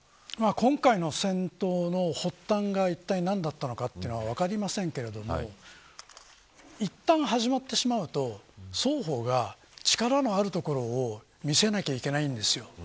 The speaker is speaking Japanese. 今回の戦闘の発端が一体何だったのかというのは分かりませんがいったん、始まってしまうと双方が力のあるところを見せなきゃいけないんです。